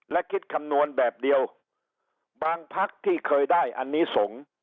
และคิดคำนวณแบบเดียวบางพักที่เคยได้อันนี้สงฆ์